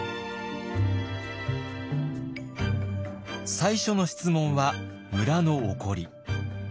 最初の質問は村の起こり。